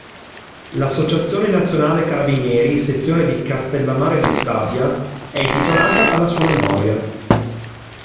L'Associazione nazionale carabinieri, sezione di Castellammare di Stabia è intitolata alla sua memoria.